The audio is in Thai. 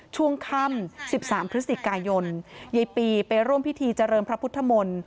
ช่วงค่ำ๑๓พฤศจิกายนยายปีไปร่วมพิธีเจริญพระพุทธมนตร์